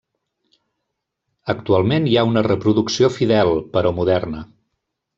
Actualment hi ha una reproducció fidel, però moderna.